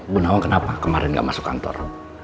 bunda wang kenapa kemarin gak masuk kantor